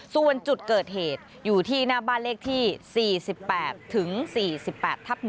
ส่วนจุดเกิดเหตุอยู่ที่หน้าบ้านเลขที่๔๘๔๘ทับ๑